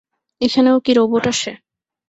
এখানেও কি রোবট আসে?